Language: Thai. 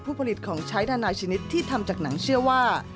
ผลิตของใช้นานาชนิดที่ทำจากหนังเชื่อว่า